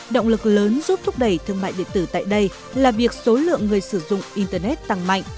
động lực lớn giúp thúc đẩy thương mại điện tử tại đây là việc số lượng người sử dụng internet tăng mạnh